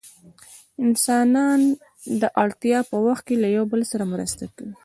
انسانان د اړتیا په وخت کې له یو بل سره مرسته کوي.